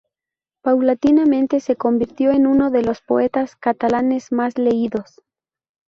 Paulatinamente se convirtió en uno de los poetas catalanes más leídos.